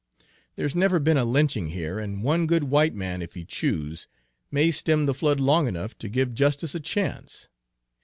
There's never been a lynching here, and one good white man, if he choose, may stem the flood long enough to give justice a chance.